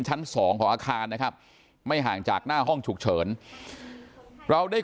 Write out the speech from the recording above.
ชั้นสองของอาคารนะครับไม่ห่างจากหน้าห้องฉุกเฉินเราได้